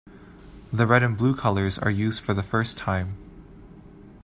The red and blue colors are used for the first time.